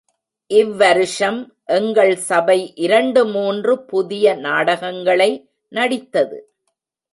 இவ் வருஷம் எங்கள் சபை இரண்டு மூன்று புதிய நாடகங்களை நடித்தது.